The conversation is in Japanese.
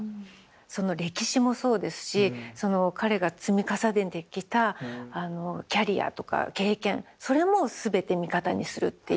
その歴史もそうですしその彼が積み重ねてきたキャリアとか経験それも全て味方にするっていう。